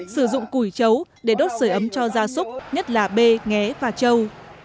sử dụng cùi trấu để đốt sởi ấm cho da súc nhất là bê nghé và trâu